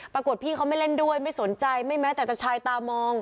ปรากฏพี่เขาไม่เล่นด้วยไม่สนใจไม่แม้แต่จะชายตามอง